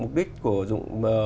mục đích của dùng